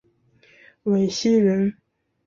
讳熙仁。